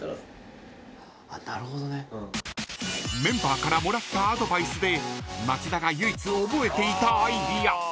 ［メンバーからもらったアドバイスで松田が唯一覚えていたアイデア］